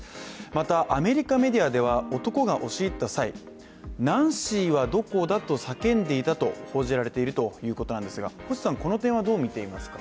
また、アメリカメディアでは男が押し入った際、ナンシーはどこだと叫んでいたと報じられているということなんですが星さん、この点はどう見ていますか？